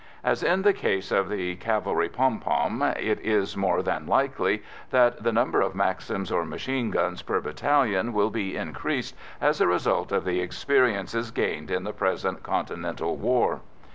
As in the case of the cavalry "pom pom," it is more than likely that the number of maxims or machine guns per battalion will be increased, as a result of the experiences gained in the present Continental war.